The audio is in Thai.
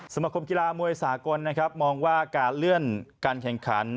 สมคมกีฬามวยสากลนะครับมองว่าการเลื่อนการแข่งขัน